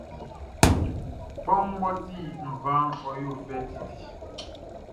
Kpanwun mʼɔ ti nvanʼn, ɔ yo fɛ titi.